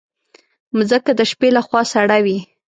مځکه د شپې له خوا سړه وي.